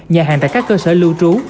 nhà hàng tại các cơ sở lưu trú